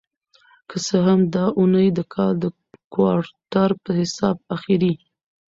که څه هم دا اونۍ د کال د کوارټر په حساب اخېری